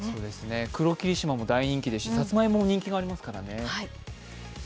黒霧島も大人気ですしさつまいもも人気がありますからね。